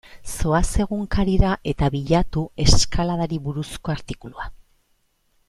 Zoaz egunkarira eta bilatu eskaladari buruzko artikulua.